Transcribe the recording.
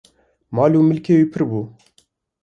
mal û milkê wî pir bû